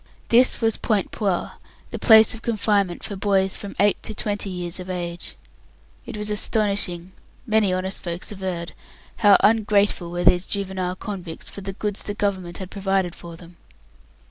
This was Point Puer, the place of confinement for boys from eight to twenty years of age. It was astonishing many honest folks averred how ungrateful were these juvenile convicts for the goods the Government had provided for them.